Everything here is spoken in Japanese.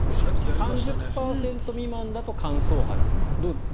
３０％未満だと乾燥肌。